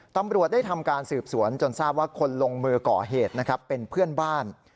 ตำรวจได้ทำการสืบสวนจนทราบว่าคนลงมือก่อเหตุนะครับเป็นเพื่อนบ้าน